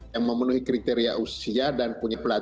yang memenuhi kriteria usia dan punya pelajaran